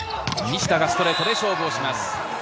西田がストレートで勝負をします。